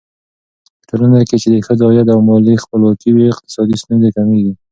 په ټولنه کې چې د ښځو عايد او مالي خپلواکي وي، اقتصادي ستونزې کمېږي.